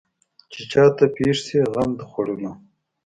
چې چا ته پېښ شي غم د خوړلو.